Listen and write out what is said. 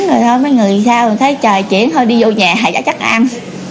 rồi thôi mấy người sao mình thấy trời chuyển thôi đi vô nhà hay chắc ăn